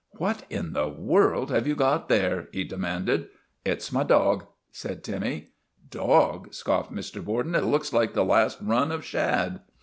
" What in the world have you got there ?" he de manded. ' It 's my dog," said Timmy. " Dog! " scoffed Mr. Borden. " It looks like the last run of shad."